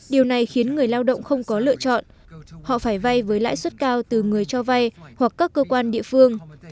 điều này khiến người lao động không có lựa chọn họ phải vay với lãi suất cao từ người cho vay hoặc các cơ quan địa phương